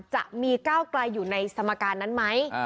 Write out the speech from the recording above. จะมีก้าวไกลอยู่ในสมการนั้นไหม